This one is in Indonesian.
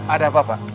ada apa pak